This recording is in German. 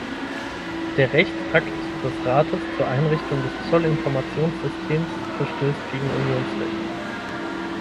Der Rechtsakt des Rates zur Einrichtung des Zollinformationssystems verstößt gegen Unionsrecht.